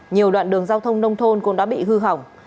nhiều đoạn đường giao thông nông thôn cũng đã bị hư hỏng